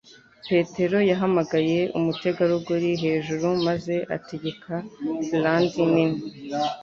Petero yahamagaye umutegarugori hejuru maze ategeka brandi nini